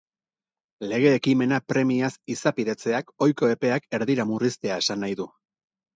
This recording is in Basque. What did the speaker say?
Lege-ekimena premiaz izapidetzeak ohiko epeak erdira murriztea esan nahi du.